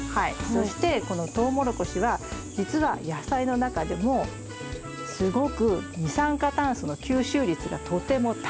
そしてこのトウモロコシはじつは野菜の中でもすごく二酸化炭素の吸収率がとても高い。